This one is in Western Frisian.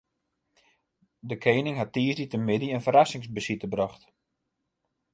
De koaning hat tiisdeitemiddei in ferrassingsbesite brocht.